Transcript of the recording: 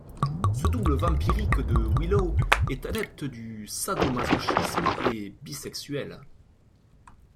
Ce double vampirique de Willow est adepte du sado-masochisme et bisexuelle.